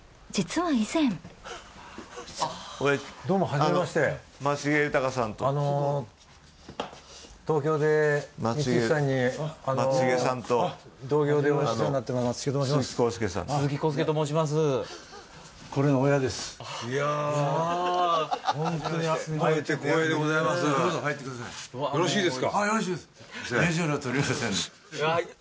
はいよろしいです。